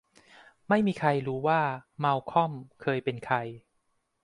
ไม่มีใครรู้ว่า มัลคอม เคยเป็นใคร